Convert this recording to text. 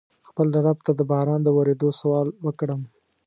خپل رب ته د باران د ورېدو سوال وکړم.